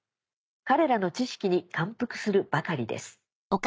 彼らの知識に感服するばかりです」。